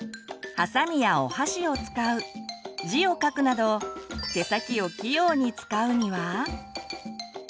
はさみやお箸を使う字を書くなど手先を器用に使うには？